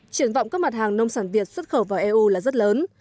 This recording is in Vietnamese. triển vọng các mặt hàng nông sản việt xuất khẩu vào eu là rất lớn